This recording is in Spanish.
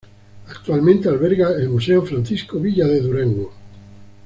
Actualmente alberga el museo "Francisco Villa de Durango".